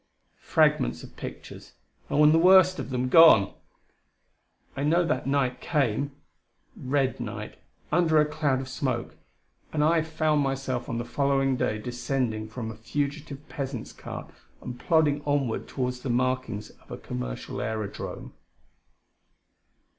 Fragments of pictures and the worst of them gone! I know that night came red night, under a cloud of smoke and I found myself on the following day descending from a fugitive peasant's cart and plodding onward toward the markings of a commercial aerodrome.